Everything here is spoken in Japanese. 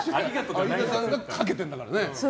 相田さんがかけてるんだからね。